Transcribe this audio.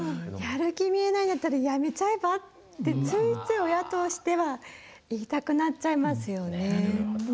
やる気見えないんだったらやめちゃえばってついつい親としては言いたくなっちゃいますよね。